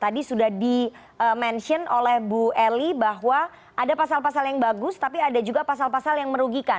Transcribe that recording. tadi sudah di mention oleh bu eli bahwa ada pasal pasal yang bagus tapi ada juga pasal pasal yang merugikan